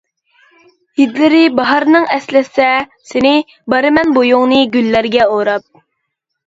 ھىدلىرى باھارنىڭ ئەسلەتسە سىنى، بارىمەن بويۇڭنى گۈللەرگە ئوراپ.